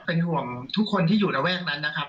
เป็นห่วงทุกคนที่อยู่ระแวกนั้นนะครับ